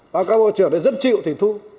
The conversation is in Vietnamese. báo cáo bộ trưởng là dân chịu thì thu